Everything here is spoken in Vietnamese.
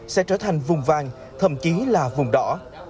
sẽ trở thành vùng vàng thậm chí là vùng đỏ